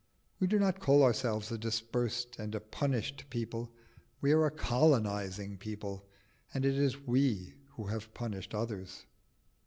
We do not call ourselves a dispersed and a punished people: we are a colonising people, and it is we who have punished others.